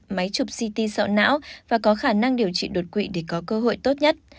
máy chụp ct sọ não và có khả năng điều trị đột quỵ để có cơ hội tốt nhất